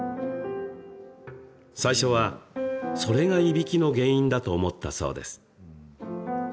最初は、それがいびきの原因だと思ったそうです。